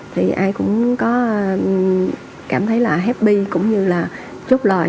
thì ai cũng có cảm thấy là happy cũng như là chúc lợi